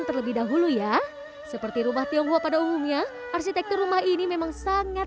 terlebih dahulu ya seperti rumah tionghoa pada umumnya arsitektur rumah ini memang sangat